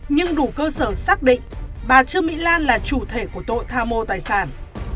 nhưng đủ cơ sở xác định bà trương mỹ lan là chủ thể của tội tham mô tài sản